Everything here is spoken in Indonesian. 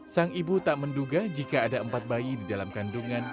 sang ibu tak menduga jika ada empat bayi di dalam kandungan